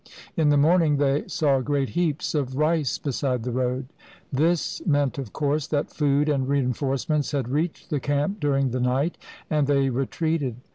In the morning they saw great heaps of rice beside the road. This meant, of course, that food and reinforcements had reached the camp during the night, and they retreated.